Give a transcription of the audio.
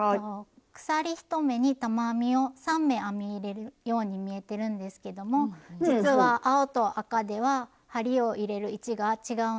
鎖１目に玉編みを３目編み入れるように見えてるんですけども実は青と赤では針を入れる位置が違うんです。